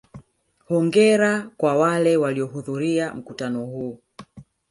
Hongera kwa wale walihudhuria mkutano huu.